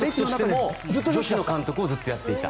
女子の監督をずっとやっていた。